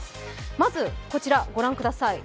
まずこちらご覧ください。